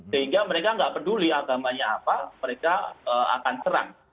sehingga mereka nggak peduli agamanya apa mereka akan serang